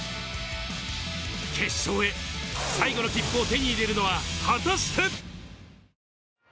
決勝へ、最後の切符を手に入れるのは果たして。